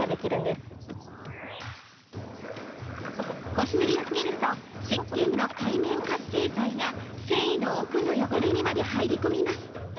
こすりつけるとせっけんの界面活性剤が繊維の奥の汚れにまで入り込みます。